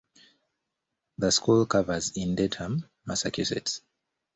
The school covers in Dedham, Massachusetts.